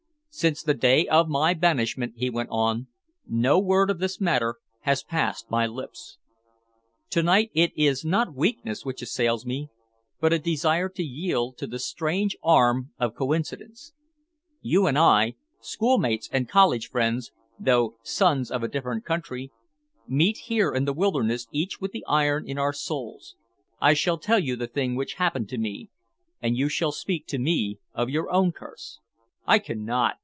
"Since the day of my banishment," he went on, "no word of this matter has passed my lips. To night it is not weakness which assails me, but a desire to yield to the strange arm of coincidence. You and I, schoolmates and college friends, though sons of a different country, meet here in the wilderness, each with the iron in our souls. I shall tell you the thing which happened to me, and you shall speak to me of your own curse." "I cannot!"